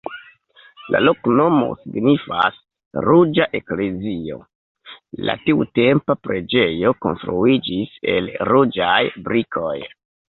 La loknomo signifas: ruĝa-eklezio, la tiutempa preĝejo konstruiĝis el ruĝaj brikoj.